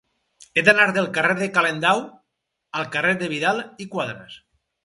He d'anar del carrer de Calendau al carrer de Vidal i Quadras.